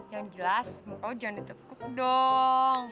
yang jelas muka lo jangan ditekuk dong